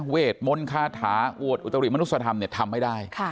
เวทมนต์คาถาอวดอุตริมนุษยธรรมทำไม่ได้